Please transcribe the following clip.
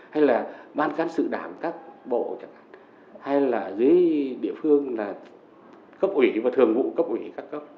hay là ban gắn sự đảng các bộ hay là dưới địa phương là cấp ủy và thường vụ cấp ủy các cấp